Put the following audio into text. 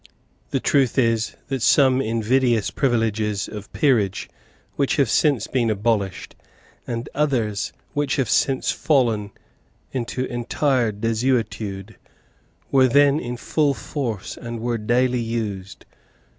The truth is that some invidious privileges of peerage which have since been abolished, and others which have since fallen into entire desuetude, were then in full force, and were daily used.